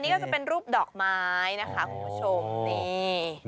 นี่ก็จะเป็นรูปดอกไม้นะคะคุณผู้ชมนี่